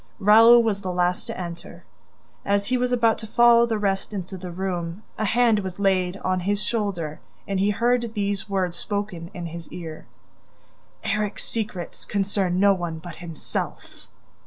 Raoul was the last to enter. As he was about to follow the rest into the room, a hand was laid on his shoulder and he heard these words spoken in his ear: "ERIK'S SECRETS CONCERN NO ONE BUT HIMSELF!"